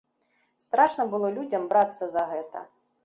Страшна было людзям брацца за гэта.